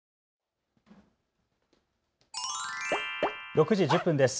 ６時１０分です。